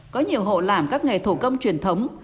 có nhiều hộ làm các nghề thủ công truyền thống